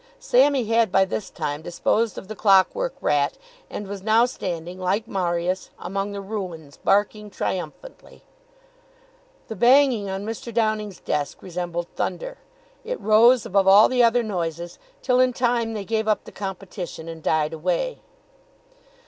Sammy had by this time disposed of the clock work rat, and was now standing, like Marius, among the ruins barking triumphantly. The banging on Mr. Downing's desk resembled thunder. It rose above all the other noises till in time they gave up the competition and died away.